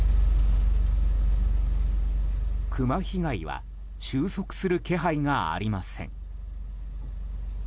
クマ被害は収束する気配がありません。